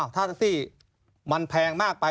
ถ้าแท็กซี่มันแพงมากไป